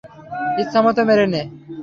ইচ্ছেমতো মেরে নে।